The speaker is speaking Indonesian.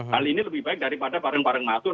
hal ini lebih baik daripada bareng bareng masuk